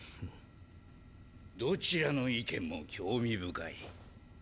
どちらの意見も興味深い。